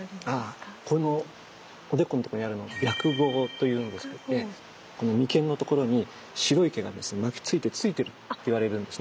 このおでこのところにあるのは「白毫」というんですけどこの眉間のところに白い毛が巻きついてついてるっていわれるんですね。